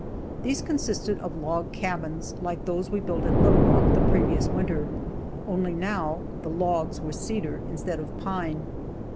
These consisted of log cabins, like those we built at Little Rock the previous winter, only now the logs were cedar instead of pine.